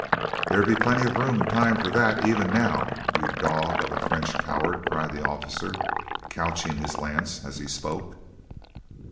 "There be plenty of room and time for that even now, you dog of a French coward," cried the officer, couching his lance as he spoke.